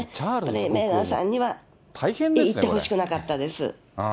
メーガンさんには行ってほしくなかったです。